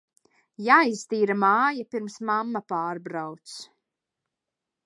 Jāiztīra māja, pirms mamma pārbrauc.